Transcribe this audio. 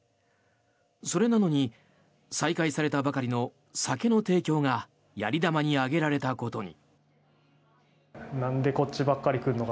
それなのに再開されたばかりの酒の提供がやり玉に挙げられたことに。